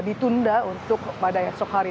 dan ditunda untuk pada esok hari